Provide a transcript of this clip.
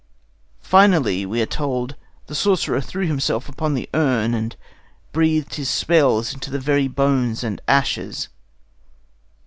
Finally, we are told, the sorcerer threw himself upon the urn itself and breathed his spells into the very bones and ashes.